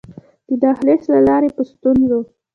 د دهلېز له لارې په ستونزو.